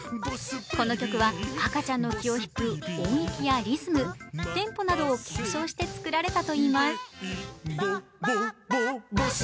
この曲は赤ちゃんの気を引く音域やリズム、テンポなどを検証して作られたといいます。